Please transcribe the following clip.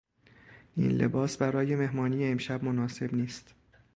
این لباس برای مهمانی امشب مناسب نیست.